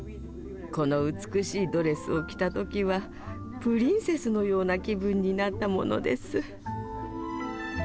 この美しいドレスを着た時はプリンセスのような気分になったものです。